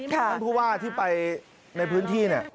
ท่านผู้ว่าที่ไปในพื้นที่